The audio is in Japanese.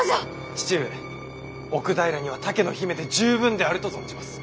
父上奥平には他家の姫で十分であると存じます。